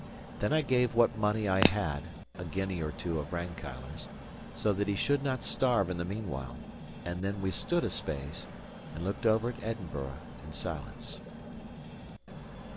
Then I gave what money I had (a guinea or two of Rankeillor's) so that he should not starve in the meanwhile; and then we stood a space, and looked over at Edinburgh in silence.